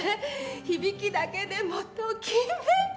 響きだけでもときめくぅ。